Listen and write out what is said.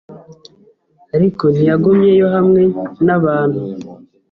Ariko ntiyagumyeyo hamwe nabantu